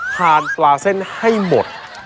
ทานปลาเส้นให้หมด